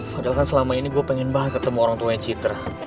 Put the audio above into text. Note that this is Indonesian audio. padahal selama ini aku pengen banget ketemu orangtuanya citra